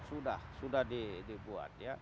sudah sudah dibuat